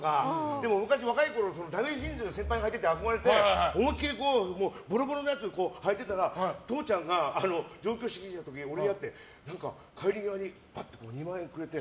でも昔、若いころダメージジーンズを先輩がはいてて憧れて思いっきりボロボロのやつをはいてたら父ちゃんが、上京してきた時俺に会って帰り際にぱっと２万円くれて。